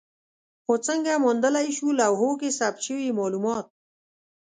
خو څنګه موندلای شو لوحو کې ثبت شوي مالومات؟